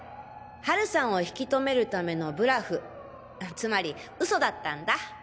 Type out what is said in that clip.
ハルさんを引き留めるためのブラフつまり嘘だったんだ。